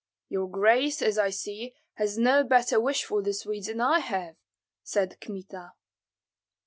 "Your grace, as I see, has no better wish for the Swedes than I have," said Kmita.